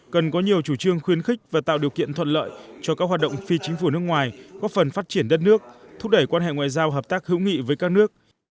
cần có nhiều chủ trương khuyến khích và tạo điều kiện thuận lợi cho các hoạt động phi chính phủ nước ngoài góp phần phát triển đất nước thúc đẩy quan hệ ngoại giao hợp tác hữu nghị với các nước